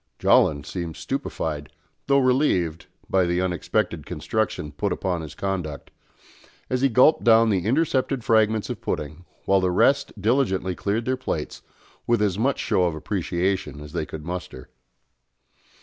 Jolland seemed stupefied, though relieved, by the unexpected construction put upon his conduct, as he gulped down the intercepted fragments of pudding, while the rest diligently cleared their plates with as much show of appreciation as they could muster.